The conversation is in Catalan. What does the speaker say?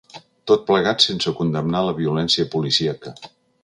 Tot plegat sense condemnar la violència policíaca.